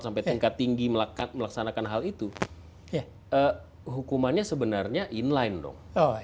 sampai tingkat tinggi melaksanakan hal itu hukumannya sebenarnya in line dong